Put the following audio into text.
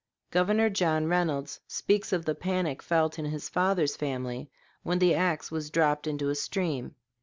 Governor John Reynolds speaks of the panic felt in his father's family when the axe was dropped into a stream.